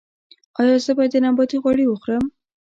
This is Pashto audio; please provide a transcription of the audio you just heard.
ایا زه باید د نباتي غوړي وخورم؟